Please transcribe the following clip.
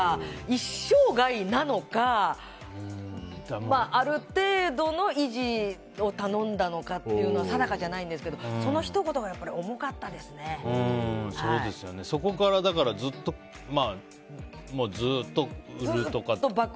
一生涯なのかある程度の維持を頼んだのかっていうのは定かじゃないんですけどそのひと言がそこからずっと売るとか。